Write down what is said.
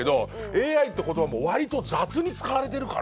ＡＩって言葉もうわりと雑に使われてるから。